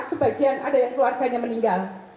sebagian ada yang keluarganya meninggal